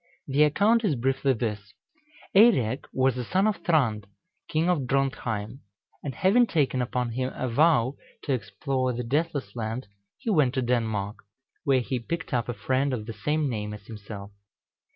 The account is briefly this: Eirek was a son of Thrand, king of Drontheim, and having taken upon him a vow to explore the Deathless Land, he went to Denmark, where he picked up a friend of the same name as himself.